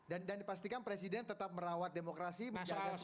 dan dipastikan presiden tetap merawat demokrasi menjaga soal reformasi